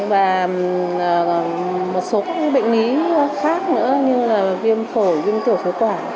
và một số các bệnh lý khác nữa như là viêm phổi viêm tiểu thế quả